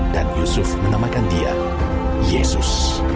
dan yusuf menamakan dia yesus